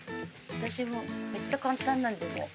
私もめっちゃ簡単なんでもう。